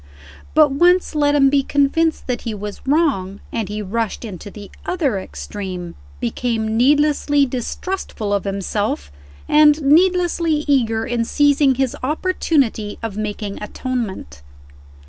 But once let him be convinced that he was wrong, and he rushed into the other extreme became needlessly distrustful of himself, and needlessly eager in seizing his opportunity of making atonement.